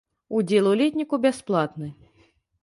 Удзел у летніку бясплатны.